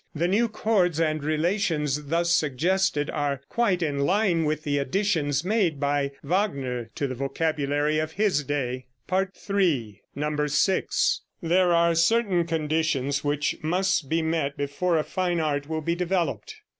The new chords and relations thus suggested are quite in line with the additions made by Wagner to the vocabulary of his day. III. 6. There are certain conditions which must be met before a fine art will be developed.